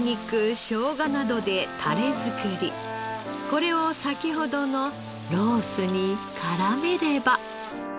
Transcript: これを先ほどのロースに絡めれば。